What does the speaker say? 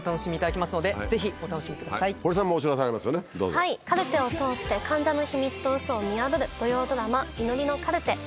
はいカルテを通して患者の秘密とウソを見破る土曜ドラマ『祈りのカルテ』。